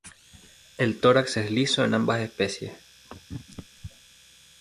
El tórax es liso en ambas especies.